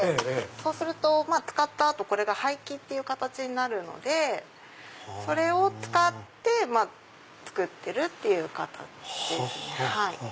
そうすると使った後これが廃棄って形になるのでそれを使って作ってるっていう形ですね。